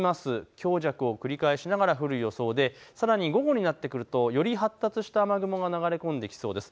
強弱を繰り返しながら降る予想でさらに午後になってくるとより発達した雨雲が流れ込んできそうです。